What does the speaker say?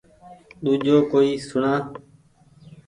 ۮوجو ڪوئي سوڻآ